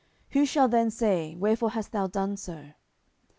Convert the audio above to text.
Who shall then say, Wherefore hast thou done so?